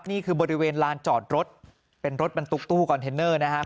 นี่คือบริเวณลานจอดรถเป็นรถบรรทุกตู้คอนเทนเนอร์นะครับ